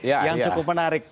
ya ya yang cukup menarik